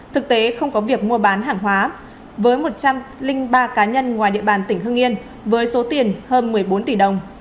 thực tế không có việc mua bán hàng hóa với một trăm linh ba cá nhân ngoài địa bàn tỉnh hưng yên với số tiền hơn một mươi bốn tỷ đồng